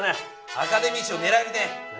アカデミー賞ねらえるね！